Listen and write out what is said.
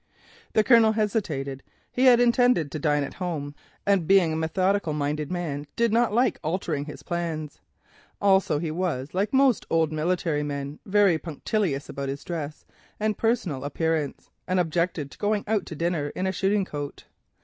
The Colonel hesitated. He had intended to dine at home, and being a methodical minded man did not like altering his plans. Also, he was, like most military men, very punctilious about his dress and personal appearance, and objected to going out to dinner in a shooting coat.